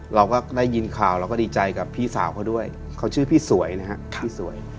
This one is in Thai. เราก็ได้ยินข่าวเราก็ดีใจกับพี่สาวเขาด้วยเขาชื่อพี่สวยนะฮะพี่สวย